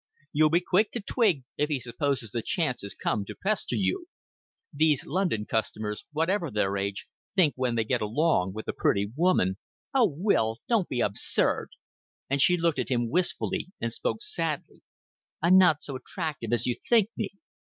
You'll be quick to twig if he supposes the chance has come to pester you. These London customers whatever their age think when they get along with a pretty woman " "Oh, Will, don't be absurd;" and she looked at him wistfully, and spoke sadly. "I'm not so attractive as you think me.